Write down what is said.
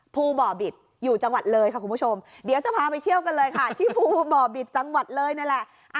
บ่อบิตอยู่จังหวัดเลยค่ะคุณผู้ชมเดี๋ยวจะพาไปเที่ยวกันเลยค่ะที่ภูบ่อบิตจังหวัดเลยนั่นแหละ